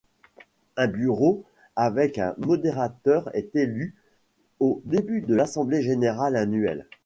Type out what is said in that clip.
Un bureau avec un Modérateur est élu au début de l'assemblée générale annuelle.